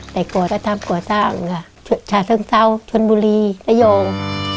แต่ก่อท่ำก่อสร้างก็ชะเซิงเศร้าชนบุรีนโยง